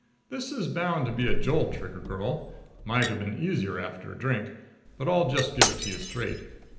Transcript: This is bound to be a jolt, Trigger girl. Might have been easier after a drink. But I'll just give it to you straight.